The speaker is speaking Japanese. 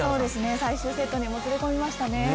最終セットにもつれ込みましたね。